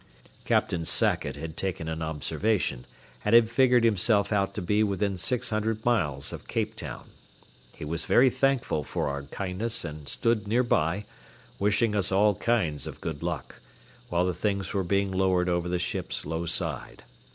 Captain Sackett had taken an observation and had figured himself out to be within six hundred miles of Cape Town. He was very thankful for our kindness and stood near by, wishing us all kinds of good luck, while the things were being lowered over the ship's low side.